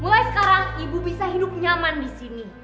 mulai sekarang ibu bisa hidup nyaman disini